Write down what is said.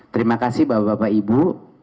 terima kasih bapak bapak ibu